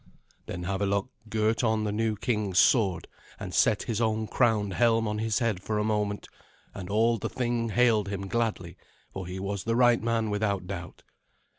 Then Havelok girt on the new king's sword, and set his own crowned helm on his head for a moment; and all the Thing hailed him gladly, for he was the right man without doubt.